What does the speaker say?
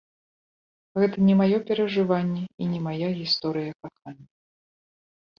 Гэта не маё перажыванне і не мая гісторыя кахання.